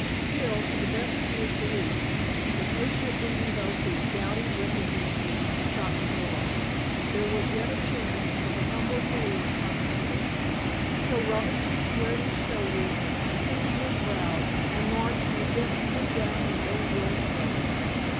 Still, to the best of his belief, the case had beaten both these doughty representatives of Scotland Yard; there was yet a chance for the humble police constable; so Robinson squared his shoulders, seamed his brows, and marched majestically down the Knoleworth road.